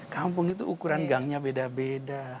kampung itu ukuran gangnya beda beda